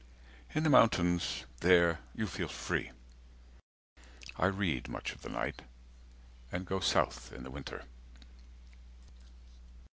In the mountains, there you feel free. I read, much of the night, and go south in the winter.